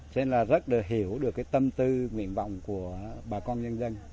cho nên là rất được hiểu được cái tâm tư nguyện vọng của bà con dân dân